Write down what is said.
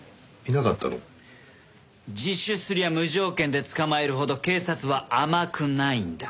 自首すりゃ無条件で捕まえるほど警察は甘くないんだ。